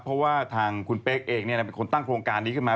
เพราะว่าทางคุณเป๊กเองเป็นคนตั้งโครงการนี้ขึ้นมา